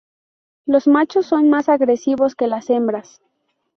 Los machos son más agresivos que las hembras.